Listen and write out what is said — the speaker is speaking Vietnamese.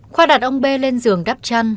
khoa đặt ông b lên giường đắp chăn